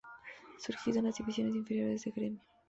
Surgido en las divisiones inferiores de Grêmio.